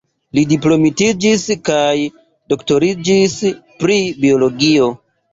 Li diplomitiĝis kaj doktoriĝis pri biologio.